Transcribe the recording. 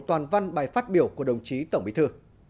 toàn văn bài phát biểu của đồng chí tổng bí thư